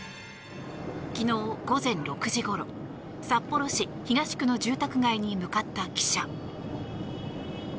昨日午前６時ごろ札幌市東区の住宅街に向かった記者。